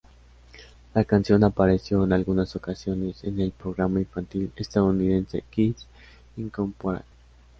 La canción apareció en algunas ocasiones en el programa infantil estadounidense "Kids Incorporated".